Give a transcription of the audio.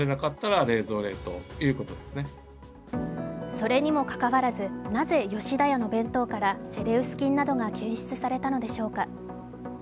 それにもかかわらず、なぜ吉田屋の弁当からセレウス菌などが検出されたのでしょうか。